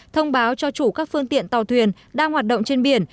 thông báo cho chủ các phương tiện tàu thuyền đang hoạt động trên biển